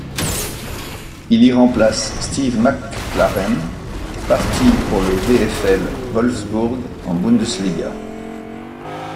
Il y remplace Steve McClaren, parti pour le VfL Wolfsburg en Bundesliga.